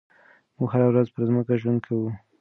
موږ هره ورځ پر ځمکه ژوند کوو.